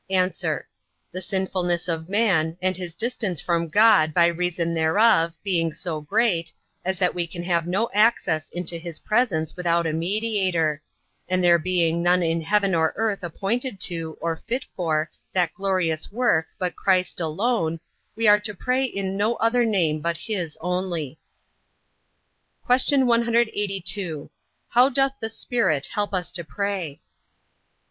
A. The sinfulness of man, and his distance from God by reason thereof, being so great, as that we can have no access into his presence without a mediator; and there being none in heaven or earth appointed to, or fit for, that glorious work but Christ alone, we are to pray in no other name but his only. Q. 182. How doth the Spirit help us to pray?